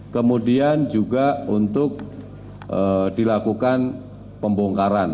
kemudian juga untuk dilakukan pembongkaran